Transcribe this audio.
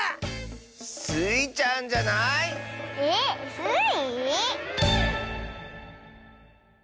スイちゃんじゃない⁉えっスイ？